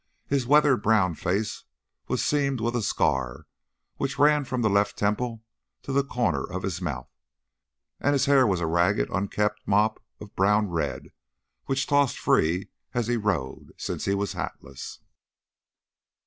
His weather browned face was seamed with a scar which ran from left temple to the corner of his mouth, and his hair was a ragged, unkempt mop of brown red which tossed free as he rode, since he was hatless.